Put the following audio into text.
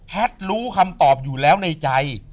รู้คำตอบอยู่แล้วในใจ